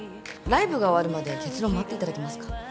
ライブが終わるまで結論待っていただけますか？